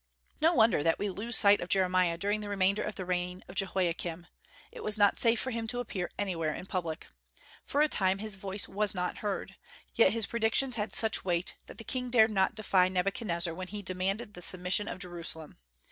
No wonder that we lose sight of Jeremiah during the remainder of the reign of Jehoiakim; it was not safe for him to appear anywhere in public. For a time his voice was not heard; yet his predictions had such weight that the king dared not defy Nebuchadnezzar when he demanded the submission of Jerusalem.